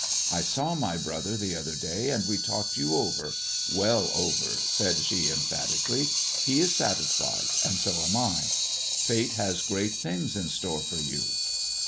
I saw my brother the other day, and we talked you over — well over," said she emphati cally ;" he is satisfied, and so am I. Fate has great things in store for you."